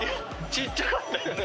ちっちゃかったよね。